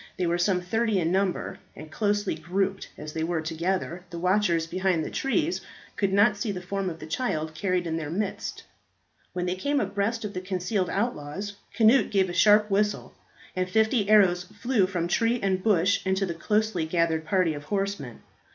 They were some thirty in number, and, closely grouped as they were together, the watchers behind the trees could not see the form of the child carried in their midst. When they came abreast of the concealed outlaws, Cnut gave a sharp whistle, and fifty arrows flew from tree and bush into the closely gathered party of horsemen.